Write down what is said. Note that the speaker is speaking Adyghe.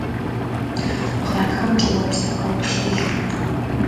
Гъатхэм чӏыопсыр къэущыжьы.